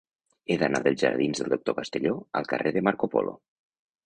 He d'anar dels jardins del Doctor Castelló al carrer de Marco Polo.